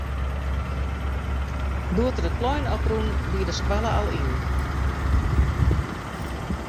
Doe't er it plein op rûn, wie de skoalle al yn.